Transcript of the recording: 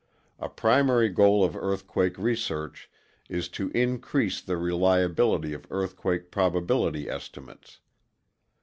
A primary goal of earthquake research is to increase the reliability of earthquake probability estimates.